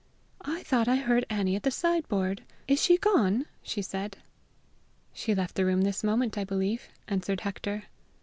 "I thought I heard Annie at the sideboard: is she gone?" she said. "She left the room this moment, I believe," answered Hector.